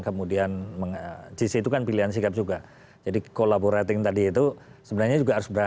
kemudian sisi itu kan pilihan sikap juga jadi collaborating tadi itu sebenarnya juga harus berada